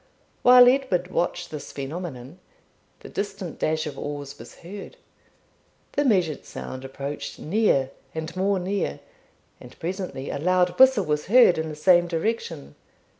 While Edward watched this phenomenon, the distant dash of oars was heard. The measured sound approached near and more near, and presently a loud whistle was heard in the same direction.